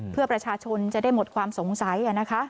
เพื่อประชาชนจะได้หมดความสงสัย